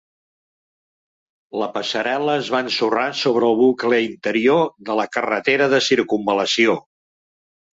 La passarel·la es va ensorrar sobre el bucle interior de la carretera de circumval·lació.